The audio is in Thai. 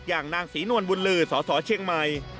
อย่างนางศรีนวลบุญลือสสเชียงใหม่